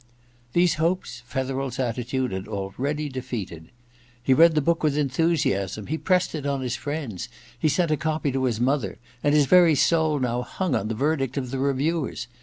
These hopes Fetherel's attitude had already defeated. He read the book with enthusiasm, he pressed it on his friends, he sent a copy to his mother ; and his very soul now hung on the verdict of the reviewers.